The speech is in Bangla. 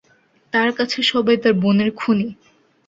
তার কাছে সবাই তার বোনের খুনি।